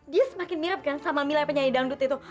dia semakin mirip kan sama milai penyanyi dangdut itu